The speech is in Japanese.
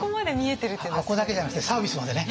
箱だけじゃなくてサービスまでね。